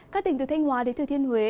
các tỉnh từ thanh hóa đến thừa thiên huế